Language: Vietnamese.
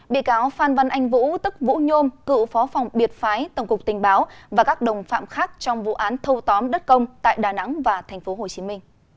bị cáo phan văn anh vũ tức vũ nhôm cựu phó phòng biệt phái tổng cục tình báo và các đồng phạm khác trong vụ án thâu tóm đất công tại đà nẵng và tp hcm